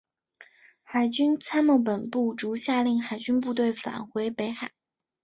海军参谋本部遂下令海军部队返回北海。